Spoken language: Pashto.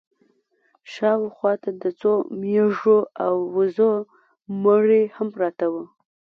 شا و خوا ته د څو مېږو او وزو مړي هم پراته وو.